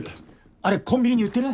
あれコンビニに売ってる？